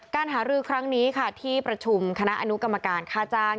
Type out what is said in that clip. การหารือครั้งนี้ค่ะที่ประชุมคณะอนุกรรมการค่าจ้าง